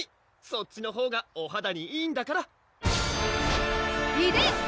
そっちのほうがお肌にいいんだからいでよ！